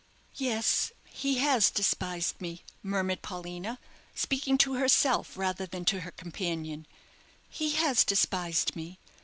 "Yes, he has despised me," murmured Paulina, speaking to herself rather than to her companion; "he has despised me.